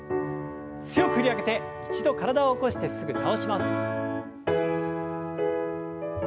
強く振り上げて一度体を起こしてすぐ倒します。